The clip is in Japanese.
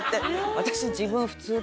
私。